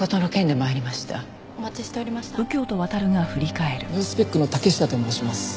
ネオスペックの竹下と申します。